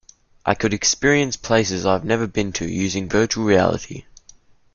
I could experience places I've never been to using virtual reality.